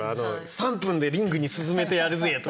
「３分でリングに沈めてやるぜ！」とか。